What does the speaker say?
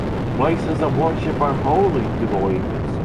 Places of worship are holy to believers.